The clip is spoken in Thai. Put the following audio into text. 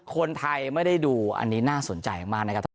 คนไทยไม่ได้ดูอันนี้น่าสนใจมากนะครับท่าน